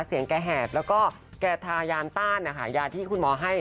แกแหบแล้วก็แกทายานต้านนะคะยาที่คุณหมอให้